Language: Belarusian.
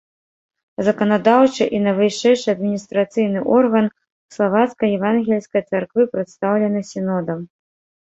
Заканадаўчы і найвышэйшы адміністрацыйны орган славацкай евангельскай царквы прадстаўлены сінодам.